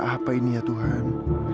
apa ini ya tuhan